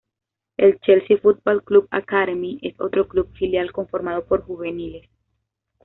El Chelsea Football Club Academy es otro club filial conformado por juveniles.